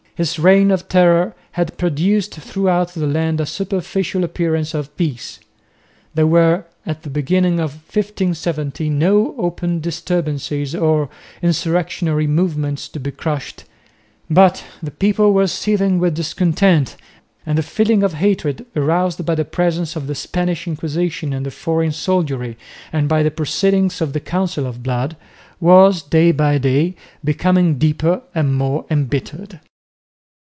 His reign of terror had produced throughout the land a superficial appearance of peace. There were at the beginning of 1570 no open disturbances or insurrectionary movements to be crushed, but the people were seething with discontent, and the feeling of hatred aroused by the presence of the Spanish Inquisition and the foreign soldiery and by the proceedings of the Council of Blood was, day by day, becoming deeper and more embittered.